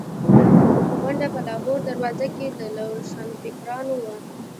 غونډه په لاهوري دروازه کې د روشنفکرانو وه.